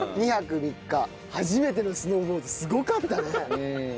初めてのスノーボードすごかったね。